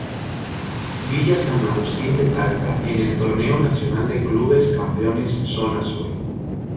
Villa San Agustín de Talca en el Torneo Nacional de Clubes Campeones Zona Sur.